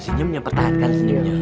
senyumnya patah kan senyumnya